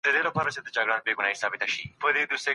آیا نارينه هر وخت پوښتنه کولای سي؟